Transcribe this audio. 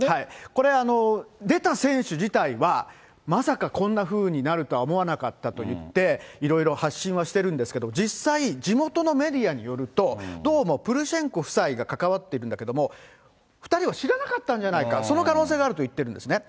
これ、出た選手自体は、まさかこんなふうになるとは思わなかったと言って、いろいろ発信はしてるんですけど、実際、地元のメディアによると、どうもプルシェンコ夫妻が関わってるんだけども、２人は知らなかったんじゃないか、その可能性があると言ってるんですね。